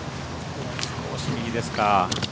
少し右ですか。